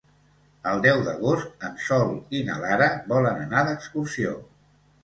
El deu d'agost en Sol i na Lara volen anar d'excursió.